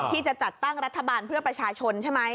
ที่จะจัดตั้งรัฐบาลเพื่อประชาชนใช่ไหม